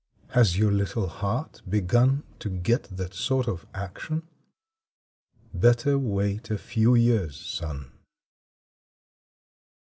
Has your little heart begun To get that sort of action? Better wait a few years, son.